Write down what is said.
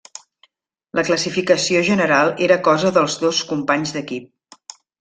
La classificació general era cosa dels dos companys d'equip.